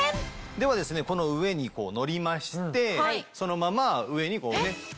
ではこの上に乗りましてそのまま上にこうね。